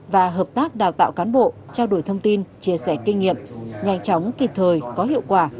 và hợp tác đào tạo cán bộ trao đổi thông tin chia sẻ kinh nghiệm nhanh chóng kịp thời có hiệu quả